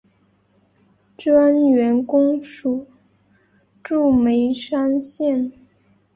专员公署驻眉山县。